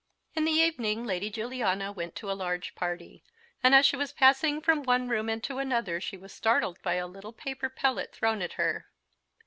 In the evening Lady Juliana went to a large party; and as she was passing from one room into another she was startled by a little paper pellet thrown at her.